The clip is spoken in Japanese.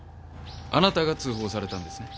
あなたが通報されたんですね？